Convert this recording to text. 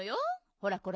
ほらこれ。